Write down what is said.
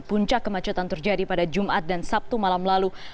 puncak kemacetan terjadi pada jumat dan sabtu malam lalu